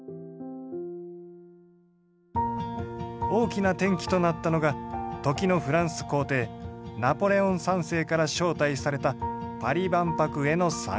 大きな転機となったのが時のフランス皇帝ナポレオン３世から招待されたパリ万博への参加だ。